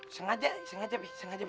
sengaja sengaja be sengaja be